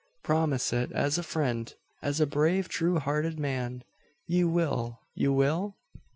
Promise it, as a friend as a brave true hearted man! You will you will?"